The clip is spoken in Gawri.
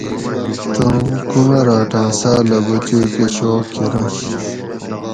تم کُمراۤٹاۤں ساۤلہ بچوکہۤ شوق کرنش